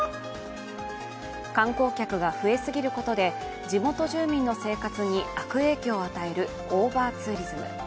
観光客が増え過ぎることで地元住民の生活に悪影響を与えるオーバーツーリズム。